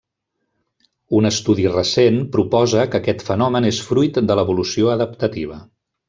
Un estudi recent proposa que aquest fenomen és fruit de l'evolució adaptativa.